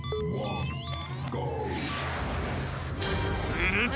［すると］